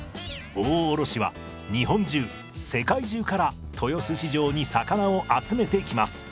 大卸は日本中・世界中から豊洲市場に魚を集めてきます。